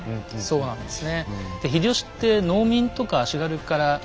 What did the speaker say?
そうなんですよ。